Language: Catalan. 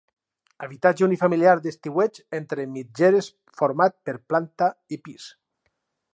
Habitatge unifamiliar d'estiueig entre mitgeres format per planta i pis.